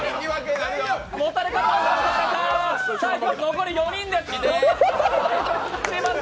残り４人です。